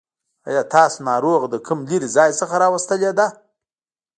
آيا تاسو ناروغه له کوم لرې ځای څخه راوستلې ده.